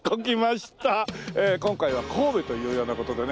ええ今回は神戸というような事でね。